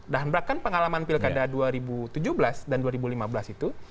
dan bahkan pengalaman pilkada dua ribu tujuh belas dan dua ribu lima belas itu